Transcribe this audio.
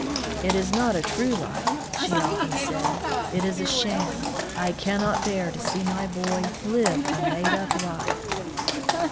^'It is not a true life/' she often said. ^' It is a sham. I cannot bear to see my boy live a made up life